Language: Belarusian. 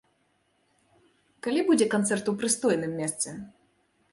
Калі будзе канцэрт у прыстойным месцы?